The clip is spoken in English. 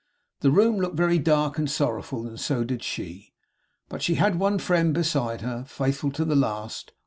The room looked very dark and sorrowful; and so did she; but she had one friend beside her, faithful to the last.